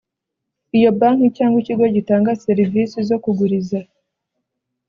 Iyo banki cyangwa ikigo gitanga serivisi zo kuguriza